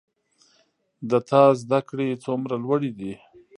د تا زده کړي څومره لوړي دي